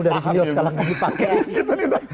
jadi ilmu dari beliau sekarang gak dipakai